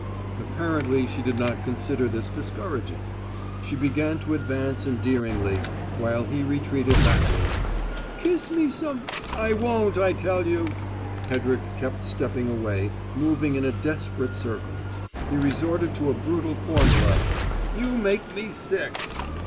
Apparently, she did not consider this discouraging. She began to advance endearingly, while he retreated backward. "Kiss me some " "I won't, I tell you!" Hedrick kept stepping away, moving in a desperate circle. He resorted to a brutal formula: "You make me sick!"